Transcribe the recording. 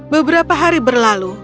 beberapa hari berlalu